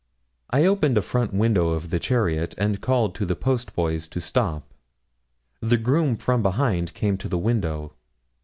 I opened a front window of the chariot, and called to the postboys to stop. The groom from behind came to the window.